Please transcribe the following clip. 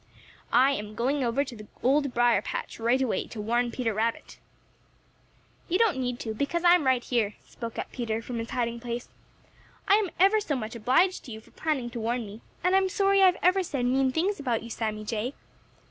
I am going over to the Old Briar patch right away to warn Peter Rabbit." "You don't need to, because I am right here," spoke up Peter from his hiding place. "I am ever so much obliged to you for planning to warn me, and I'm sorry I've ever said mean things about you, Sammy Jay."